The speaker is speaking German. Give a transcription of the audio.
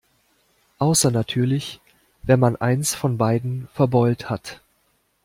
Außer natürlich, wenn man eins von beiden verbeult hat.